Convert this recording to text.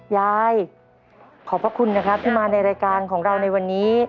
ยายขอบพระคุณนะครับที่มาในรายการของเราในวันนี้